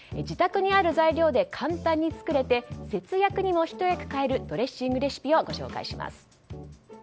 自宅にある材料で簡単に作れて、節約にもひと役買えるドレッシングレシピをご紹介します。